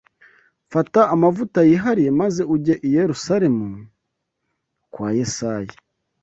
fata amavuta yihariye maze ujye i Yerusalemu kwa Yesayi